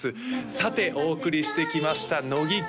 さてお送りしてきました乃木回